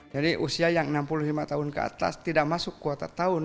jadi usia yang enam puluh lima tahun ke atas tidak masuk kuota tahun dua ribu dua puluh